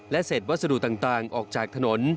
เศษวัสดุต่างออกจากถนน